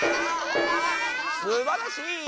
すばらしい！